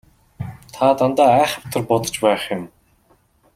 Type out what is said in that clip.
Та дандаа айхавтар бодож байх юм.